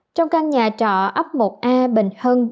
trong căn nhà trọ ấp một a bình hân bình chánh tp hcm